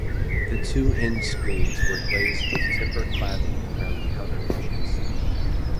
The two end screens were glazed with timber cladding around the outer edges.